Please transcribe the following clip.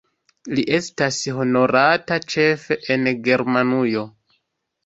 Li estas honorata ĉefe en Germanujo.